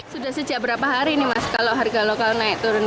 sudah sejak berapa hari nih mas kalau harga lokal naik turun